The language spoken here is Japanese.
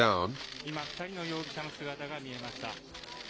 今、２人の容疑者の姿が見えました。